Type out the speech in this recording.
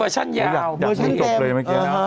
จากกรุงตกเลยไหม